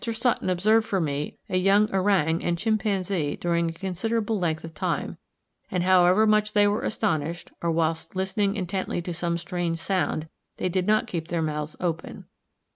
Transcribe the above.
Sutton observed for me a young orang and chimpanzee during a considerable length of time; and however much they were astonished, or whilst listening intently to some strange sound, they did not keep their mouths open.